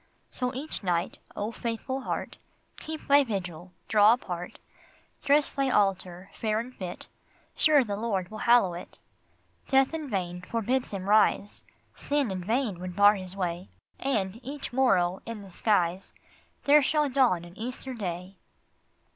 So each night, O faithful heart, Keep thy vigil, draw apart, Dress thy altar fair and fit, Sure the Lord will hallow it ! Death in vain forbids Him rise, Sin in vain would bar His way, And, each morrow, in the skies, There shall dawn an Easter day